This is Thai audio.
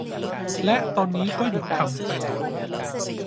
และตอนนี้ก็หยุดทำไปแล้ว